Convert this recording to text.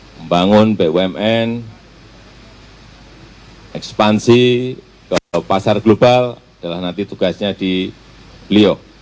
membangun bumn ekspansi ke pasar global adalah nanti tugasnya di beliau